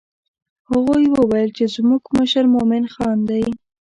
هغوی وویل چې زموږ مشر مومن خان دی.